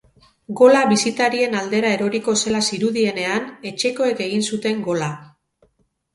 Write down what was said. Gola bisitarien aldera eroriko zela zirudienean, etxekoek egin zuten gola.